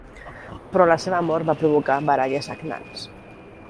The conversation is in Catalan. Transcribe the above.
Però la seva mort va provocar baralles sagnants.